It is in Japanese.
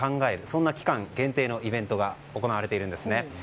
そんな期間限定のイベントが行われているんですね。